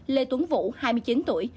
lê tuấn vũ hai mươi chín tuổi